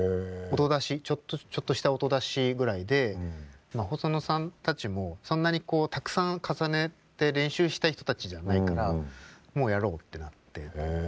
音出しちょっとした音出しぐらいでまあ細野さんたちもそんなにこうたくさん重ねて練習したい人たちじゃないからもうやろうってなって。